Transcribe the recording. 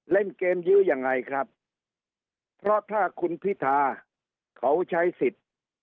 เล่นเกมยื้อยังไงครับเพราะถ้าคุณพิธาเขาใช้สิทธิ์